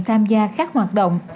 tham gia các hoạt động